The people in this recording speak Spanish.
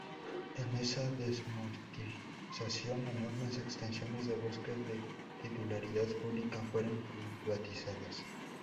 En esa desamortización, enormes extensiones de bosques de titularidad pública fueron privatizadas.